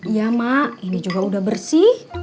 iya mak ini juga udah bersih